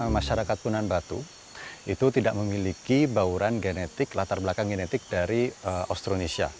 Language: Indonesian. masyarakat punan batu itu tidak memiliki bauran genetik latar belakang genetik dari austronesia